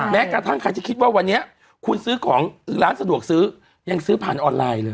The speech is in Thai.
แม้กระทั่งใครที่คิดว่าวันนี้คุณซื้อของร้านสะดวกซื้อยังซื้อผ่านออนไลน์เลย